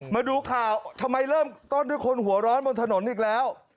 มาดูข่าวทำไมเริ่มต้นด้วยคนหัวร้อนบนถนนอีกแล้ว